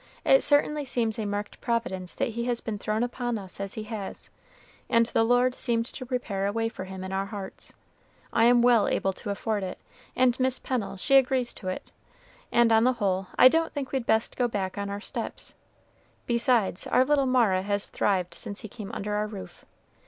It certainly seems a marked providence that he has been thrown upon us as he has, and the Lord seemed to prepare a way for him in our hearts. I am well able to afford it, and Mis' Pennel, she agrees to it, and on the whole I don't think we'd best go back on our steps; besides, our little Mara has thrived since he came under our roof.